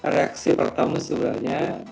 reaksi pertama sebenarnya